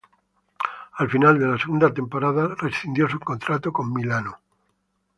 Al final de la segunda temporada rescindió su contrato con Milano.